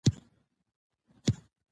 تغذیه د ماشوم د ودې لپاره ډېره مهمه ده.